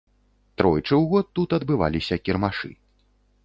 Тройчы ў год тут адбываліся кірмашы.